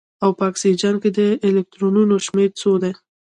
او په اکسیجن کې د الکترونونو شمیر څو دی